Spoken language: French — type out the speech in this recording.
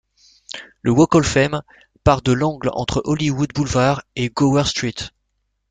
Le Walk of Fame part de l'angle entre Hollywood Boulevard et Gower Street.